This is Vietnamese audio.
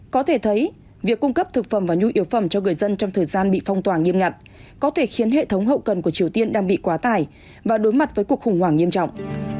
có thể thấy việc cung cấp thực phẩm và nhu yếu phẩm cho người dân trong thời gian bị phong tỏa nghiêm ngặt có thể khiến hệ thống hậu cần của triều tiên đang bị quá tải và đối mặt với cuộc khủng hoảng nghiêm trọng